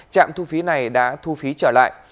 trạm thu phí này đã thu phí trở lại